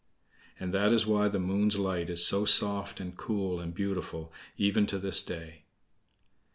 '" (And that is why the Moon's light is so soft, and cool, and beautiful even to this day.)